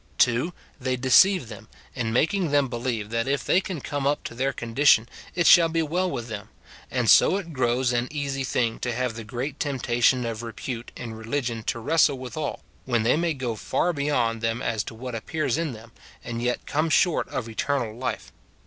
(2.) They deceive them, in making them believe that if they can come up to their condition, it shall be well with them ; and so it grows an easy thing to have the great temptation of repute in religion to wrestle withal, when they may go far beyond them as to what appears in them, and yet come short of eternal life.